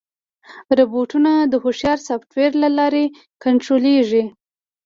روبوټونه د هوښیار سافټویر له لارې کنټرولېږي.